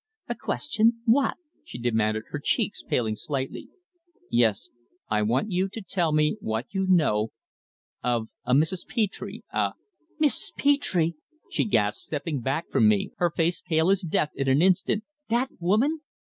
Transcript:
"A question what?" she demanded, her cheeks paling slightly. "Yes. I want you to tell me what you know of a Mrs. Petre, a " "Mrs. Petre!" she gasped, stepping back from me, her face pale as death in an instant. "That woman!"